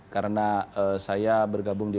karena saya bergabung di